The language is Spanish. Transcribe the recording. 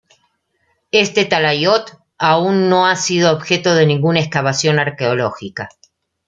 Este talayot aún no ha sido objeto de ninguna excavación arqueológica.